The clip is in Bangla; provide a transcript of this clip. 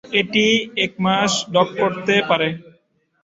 এটি এক মাস ডক করতে পারে।